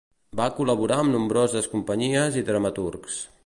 Va col·laborar amb nombroses companyies i dramaturgs.